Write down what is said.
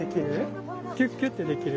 キュッキュッてできる？